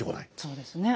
そうですね。